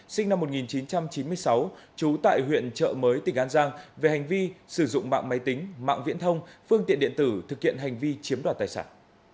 sinh năm một nghìn chín trăm chín mươi sáu trú tại huyện trợ mới tỉnh an giang về hành vi sử dụng mạng máy tính mạng viễn thông phương tiện điện tử thực hiện hành vi chiếm đoạt tài sản